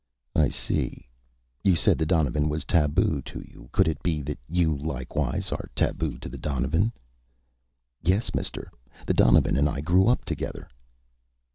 "I see. You said the donovan was taboo to you. Could it be that you, likewise, are taboo to the donovan?" "Yes, mister. The donovan and I grew up together."